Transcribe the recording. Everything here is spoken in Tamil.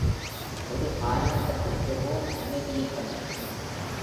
ஒரு காலகட்டத்திற்கு ரோம் அமைதியைக் கண்டது.